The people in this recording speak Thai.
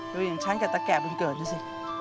ดูอย่างฉันกับตะแก่บุญเกิดดูสิ